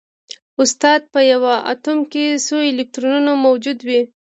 استاده په یو اتوم کې څو الکترونونه موجود وي